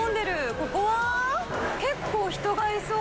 ここは結構、人がいそう。